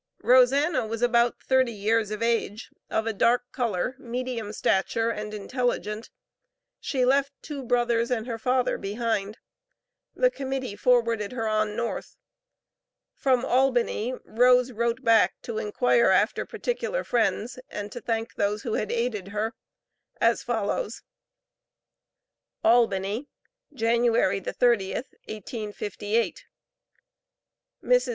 Rosanna was about thirty years of age, of a dark color, medium stature, and intelligent. She left two brothers and her father behind. The Committee forwarded her on North. From Albany Rose wrote back to inquire after particular friends, and to thank those who had aided her as follows: ALBANY, Jan. the 30, 1858. Mrs.